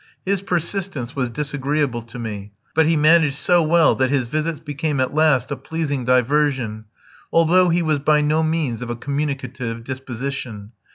His persistence was disagreeable to me; but he managed so well that his visits became at last a pleasing diversion, although he was by no means of a communicative disposition.